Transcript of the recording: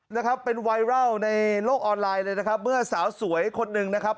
นะครับเป็นไวรัลในโลกออนไลน์เลยนะครับเมื่อสาวสวยคนหนึ่งนะครับ